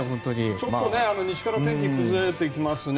ちょっと西から天気が崩れていきますね。